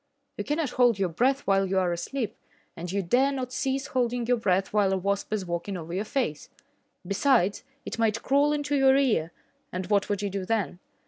You cannot hold your breath while you are asleep, and yet you dare not cease holding your breath while a wasp is walking over your face. Besides, it might crawl into your ear, and what would you do then?